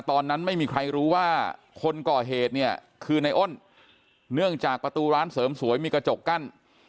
ตอนนั้นไม่มีใครรู้ว่าคนก่อเหตุเนี่ยคือในอ้นเนื่องจากประตูร้านเสริมสวยมีกระจกกั้น